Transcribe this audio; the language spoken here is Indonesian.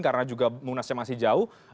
karena juga munasnya masih jauh